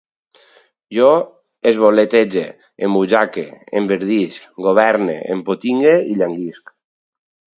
Jo esvoletegue, embutxaque, enverdisc, governe, empotingue, llanguisc